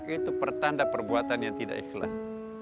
itu pertanda perbuatan yang tidak ikhlas